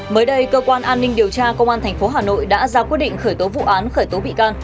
mới đây cơ quan an ninh điều tra công an tp hà nội đã ra quyết định khởi tố vụ án khởi tố bị can